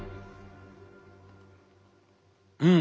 うん！